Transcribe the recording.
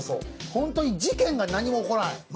本当に事件が何も起こらないまず。